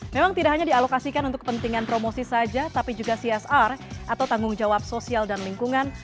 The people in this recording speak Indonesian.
memang tidak hanya dialokasikan untuk kepentingan promosi saja tapi juga csr atau tanggung jawab sosial dan lingkungan